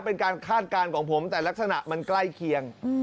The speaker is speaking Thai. เป็นการคาดการณ์ของผมแต่ลักษณะมันใกล้เคียง